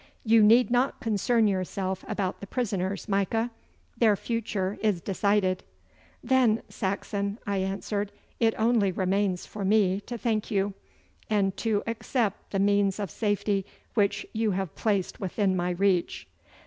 You need not concern yourself about the prisoners, Micah. Their future is decided.' 'Then, Saxon,' I answered, 'it only remains for me to thank you, and to accept the means of safety which you have placed within my reach.